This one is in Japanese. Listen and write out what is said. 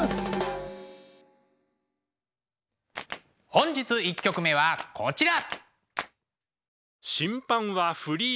本日１曲目はこちら。